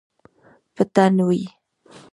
په تن وی